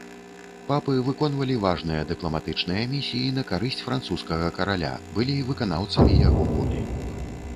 Папы выконвалі важныя дыпламатычныя місіі на карысць французскага караля, былі выканаўцамі яго волі.